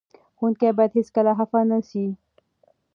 ښوونکي باید هېڅکله خفه نه سي.